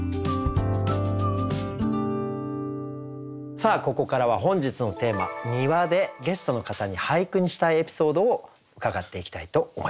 さあここからは本日のテーマ「庭」でゲストの方に俳句にしたいエピソードを伺っていきたいと思います。